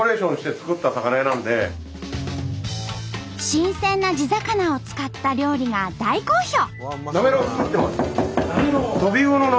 新鮮な地魚を使った料理が大好評！